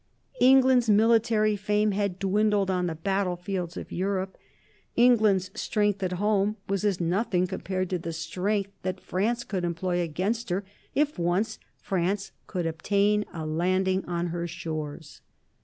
England's military fame had dwindled on the battle fields of Europe; England's strength at home was as nothing compared to the strength that France could employ against her if once France could obtain a landing on her shores.